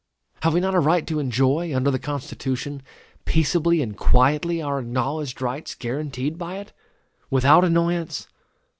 Have we not a right to enjoy, under the Constitution, peaceably and quietly, our acknowledged rights guaranteed by it, without annoyance?